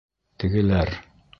Тегеләр: